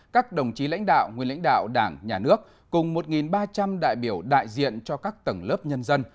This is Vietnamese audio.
các đồng chí lãnh đạo nguyên lãnh đạo đảng nhà nước cùng một ba trăm linh đại biểu đại diện cho các tầng lớp nhân dân